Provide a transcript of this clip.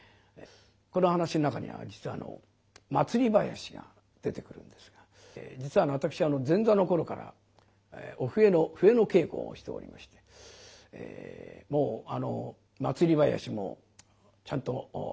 この噺の中には実は祭り囃子が出てくるんですが実は私前座の頃からお笛の笛の稽古をしておりましてもう祭り囃子もちゃんと稽古をいたしました。